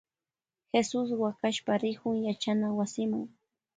Jesus wakashpa rikun yachana wasima.